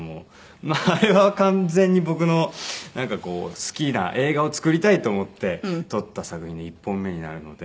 あれは完全に僕の好きな映画を作りたいと思って撮った作品の１本目になるので。